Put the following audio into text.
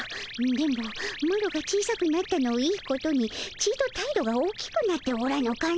電ボマロが小さくなったのをいいことにちと態度が大きくなっておらぬかの？